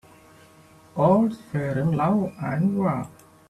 All's fair in love and war.